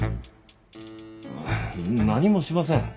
何もしません。